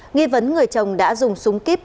nghi vấn người chồng đã dùng súng kíp